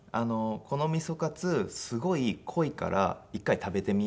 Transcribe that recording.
このみそカツすごい濃いから一回食べてみゃあ。